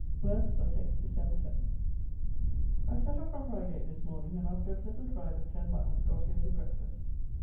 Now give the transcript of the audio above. Worth (Sussex), December 2. I set off from Reigate this morning, and after a pleasant ride of ten miles, got here to breakfast.